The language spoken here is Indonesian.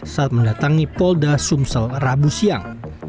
saat mendatangi polda sumsel rabu siang